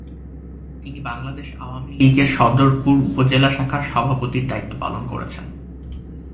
তিনি বাংলাদেশ আওয়ামী লীগের সদরপুর উপজেলা শাখার সভাপতির দায়িত্ব পালন করেছেন।